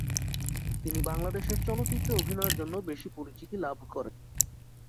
তিনি বাংলাদেশের চলচ্চিত্রে অভিনয়ের জন্য বেশি পরিচিতি লাভ করেন।